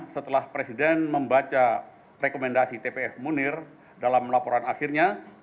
setelah presiden membaca rekomendasi tpf munir dalam laporan akhirnya